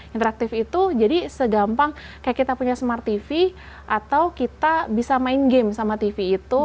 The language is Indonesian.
interaktif itu jadi segampang kayak kita punya smart tv atau kita bisa main game sama tv itu